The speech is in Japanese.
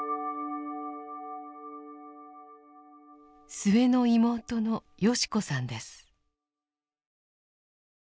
末の妹の良子さんです。